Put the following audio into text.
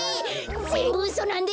ぜんぶうそなんです！